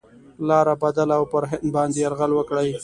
لاره بدله او پر هند باندي یرغل وکړي.